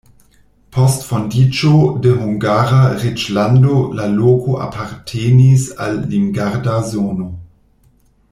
Post fondiĝo de Hungara reĝlando la loko apartenis al limgarda zono.